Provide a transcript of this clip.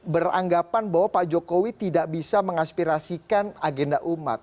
beranggapan bahwa pak jokowi tidak bisa mengaspirasikan agenda umat